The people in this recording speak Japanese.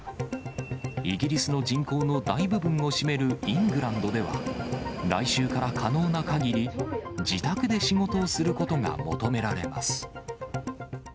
イギリスの人口の大部分を占めるイングランドでは、来週から可能なかぎり自宅で仕事をすることが求められます。